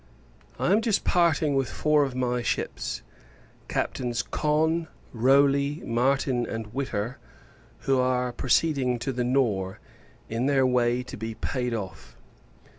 I am just parting with four of my ships Captains Conn, Rowley, Martin, and Whitter who are proceeding to the Nore, in their way to be paid off.